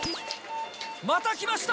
また来ました。